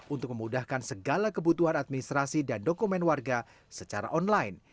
untuk memudahkan segala kebutuhan administrasi dan dokumen warga secara online